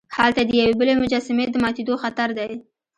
هلته د یوې بلې مجسمې د ماتیدو خطر دی.